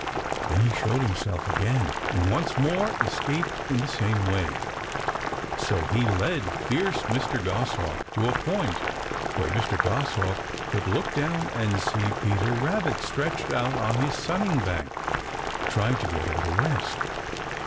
Then he showed himself again and once more escaped in the same way. So he led fierce Mr. Goshawk to a point where Mr. Goshawk could look down and see Peter Rabbit stretched out on his sunning bank, trying to get a little rest.